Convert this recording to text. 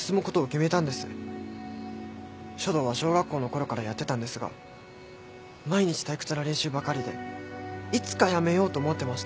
書道は小学校のころからやってたんですが毎日退屈な練習ばかりでいつかやめようと思ってました。